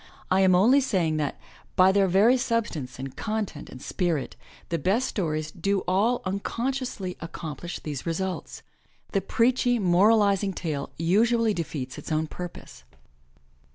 I am only saying that, by their very substance and content and spirit, the best stories do all unconsciously accomplish these results. The preachy, moralizing tale usually defeats its own purpose.